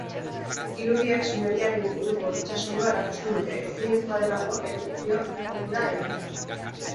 Irudiek sumendiaren inguruko itsas hondoa erakusten dute, ezinezkoa delako erupzio fokura heltzea.